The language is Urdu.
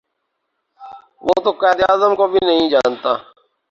وہ تو قاہد اعظم کو بھی نہیں جانتا